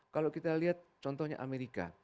kalau kita lihat contohnya amerika